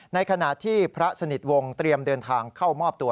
ในขณะที่พระสนิทวงศ์เตรียมเดินทางเข้ามอบตัว